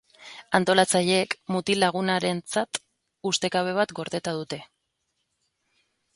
Antolatzaileek mutil-lagunarentzat ustekabe bat gordeta dute.